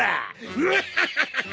ムハハハハ！